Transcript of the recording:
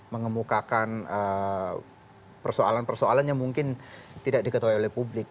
mengemukakan persoalan persoalan yang mungkin tidak diketahui oleh publik